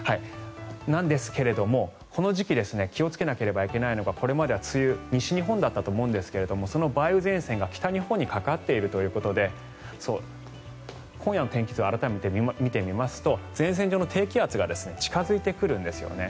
なんですが、この時期気をつけなければいけないのはこれまでは梅雨西日本だったと思うんですがその梅雨前線が北日本にかかっているということで今夜の天気図を改めて見てみますと前線上の低気圧が近付いてくるんですよね。